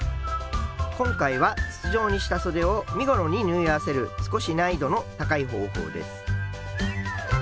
今回は筒状にしたそでを身ごろに縫い合わせる少し難易度の高い方法です。